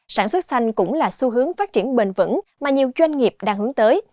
sản xuất xanh cũng là xu hướng phát triển bền vững mà nhiều doanh nghiệp đang hướng tới